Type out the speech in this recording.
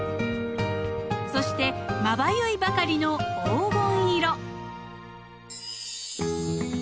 そしてまばゆいばかりの黄金色。